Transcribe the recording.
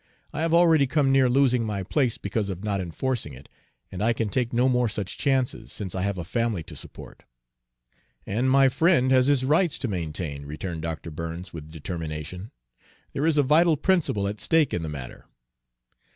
I have already come near losing my place because of not enforcing it, and I can take no more such chances, since I have a family to support." "And my friend has his rights to maintain," returned Dr. Burns with determination. "There is a vital principle at stake in the matter."